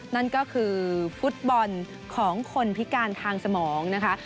นั่นก็คือฟุตบอลของคนพิการทางสมองนะคะ